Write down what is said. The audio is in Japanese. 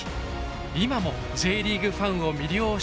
今もＪリーグファンを魅了し続けています。